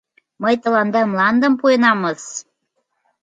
Мый тыланда мландым пуэнамыс.